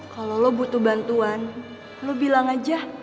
kalau lu butuh bantuan lu bilang aja